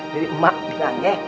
jadi emak bilangnya